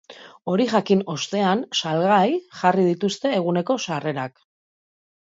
Hori jakin ostean, salgai jarri dituzte eguneko sarrerak.